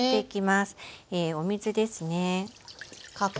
お水ですね。